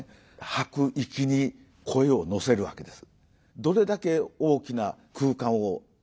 吐く息に声を乗せるわけです。